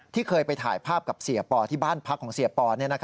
เคยไปถ่ายภาพกับเสียปอที่บ้านพักของเสียปอ